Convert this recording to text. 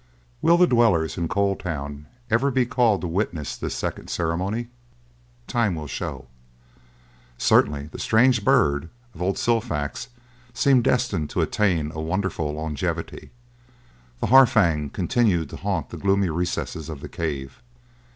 Will the dwellers in Coal Town ever be called to witness this second ceremony? Time will show. Certainly the strange bird of old Silfax seemed destined to attain a wonderful longevity. The Harfang continued to haunt the gloomy recesses of the cave.